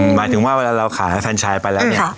หมายถึงว่าพูดถึงแฟนชายไปแล้วเนี่ย